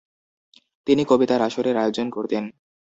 তিনি কবিতার আসরের আয়োজন করতেন।